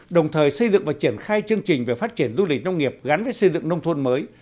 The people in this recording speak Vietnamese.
đồng thời xây dựng và triển khai chương trình về phát triển du lịch nông nghiệp gắn với xây dựng nông thôn mới